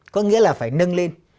có nghĩa là phải nâng lên